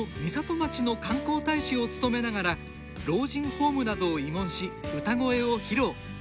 町の観光大使を務めながら老人ホームなどを慰問し歌声を披露。